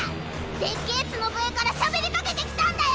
でっけぇ角笛からしゃべりかけてきたんだよ！